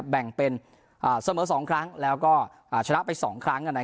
แบ่งเป็นเสมอ๒ครั้งแล้วก็ชนะไป๒ครั้ง